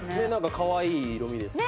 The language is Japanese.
かわいい色味ですよね。